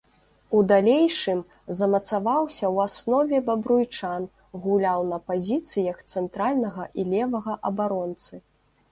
У далейшым замацаваўся ў аснове бабруйчан, гуляў на пазіцыях цэнтральнага і левага абаронцы.